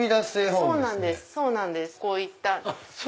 そうなんですこういった。